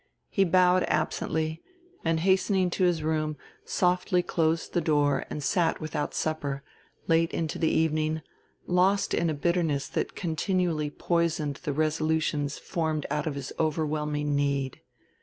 He bowed absently, and hastening to his room softly closed the door and sat without supper, late into the evening, lost in a bitterness that continually poisoned the resolutions formed out of his overwhelming need.